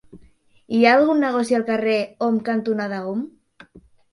Hi ha algun negoci al carrer Om cantonada Om?